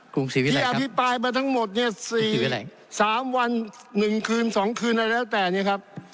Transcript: ที่อภิปรายมาทั้งหมดเนี่ย๔๓วัน๑คืน๒คืนอะไรแล้วแต่เนี่ยครับ